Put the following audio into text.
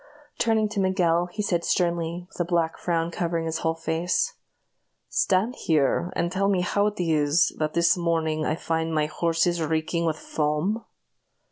Turning to Miguel, he said, sternly, with a black frown covering his whole face: "Stand here, and tell me how it is, that this morning I find my horses reeking with foam?"